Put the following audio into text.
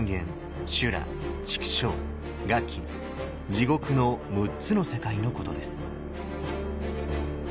六道とはの６つの世界のことです。